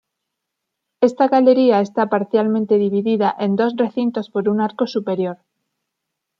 Esta galería está parcialmente dividida en dos recintos por un arco superior.